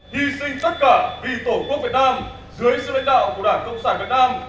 hy sinh tất cả vì tổ quốc việt nam dưới sự lãnh đạo của đảng cộng sản việt nam